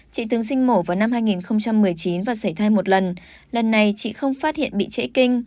chị tướng sinh mổ vào năm hai nghìn một mươi chín và xảy thai một lần lần này chị không phát hiện bị trễ kinh